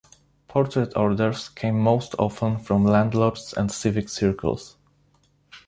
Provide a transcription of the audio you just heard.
Portrait orders came most often from landlords and civic circles.